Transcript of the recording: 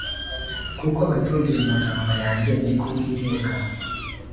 kuko batumviye amagambo yanjye ni ko Uwiteka